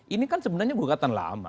ini kan sebenarnya gugatan lama